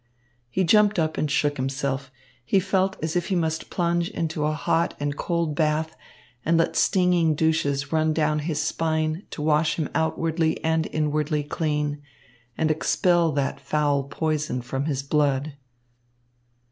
He jumped up and shook himself. He felt as if he must plunge into a hot and cold bath and let stinging douches run down his spine to wash him outwardly and inwardly clean and expel that foul poison from his blood.